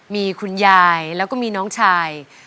มีคุณยายแล้วก็มีน้องชาย